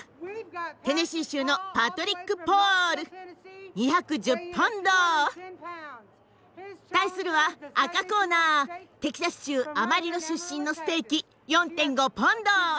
テネシー州のパトリック・ポール２１０ポンド！対するは赤コーナーテキサス州アマリロ出身のステーキ４．５ポンド！